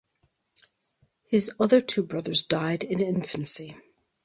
His other two brothers died in infancy.